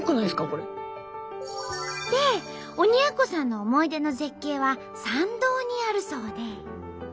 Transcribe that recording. これ。で鬼奴さんの思い出の絶景は参道にあるそうで。